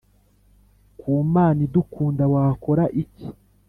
ku Mana idukunda Wakora iki